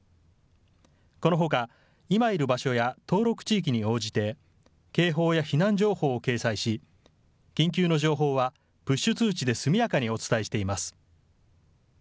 このほか、今いる場所や登録地域に応じて、警報や避難情報を掲載し、緊急の情報はプッシュ通知で速やかにお伝えしています。